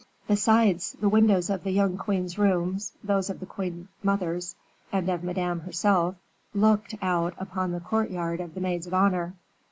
Besides, the windows of the young queen's rooms, those of the queen mother's, and of Madame herself, looked out upon the courtyard of the maids of honor.